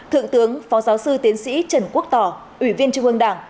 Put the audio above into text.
thượng tướng phó giáo sư tiến sĩ trần quốc tỏ ủy viên trung ương đảng